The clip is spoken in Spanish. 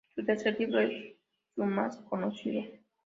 Su tercer libro es su más conocido.